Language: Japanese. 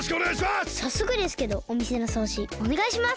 さっそくですけどおみせのそうじおねがいします。